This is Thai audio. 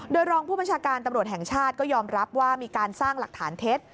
โดยรองผู้บัญชาการตำรวจแห่งชาติก็ยอมรับว่ามีการสร้างหลักฐานเท็จ